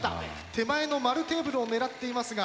手前の円テーブルを狙っていますが。